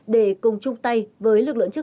để cùng chung tay với lực lượng trẻ